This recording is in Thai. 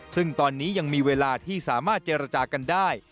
ซึ่งตอนนี้ยังมีเวลาที่สามารถเจรจากันได้